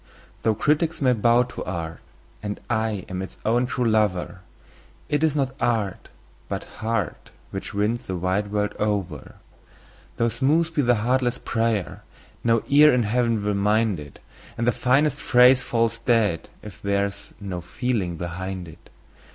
Though critics may bow to art, and I am its own true lover, It is not art, but heart, which wins the wide world over. Though smooth be the heartless prayer, no ear in Heaven will mind it, And the finest phrase falls dead if there is no feeling behind it.